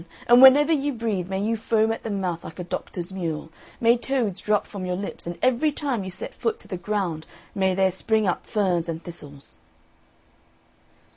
and whenever you breathe may you foam at the mouth like a doctor's mule, may toads drop from your lips, and every time you set foot to the ground may there spring up ferns and thistles!"